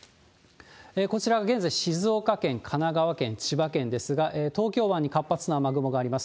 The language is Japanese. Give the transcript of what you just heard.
こちら、現在、静岡県、神奈川県、千葉県ですが、東京湾に活発な雨雲があります。